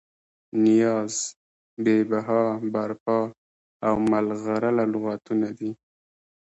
نیاز، بې بها، برپا او ملغلره لغتونه دي.